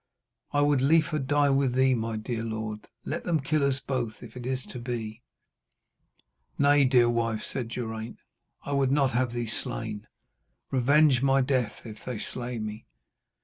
'I would liefer die with thee, my dear, dear lord. Let them kill us both, if it is to be.' 'Nay, dear wife,' said Geraint, 'I would not have thee slain. Revenge my death if they slay me.'